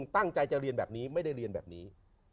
ตั้งใจจะเรียนแบบนี้ไม่ได้เรียนแบบนี้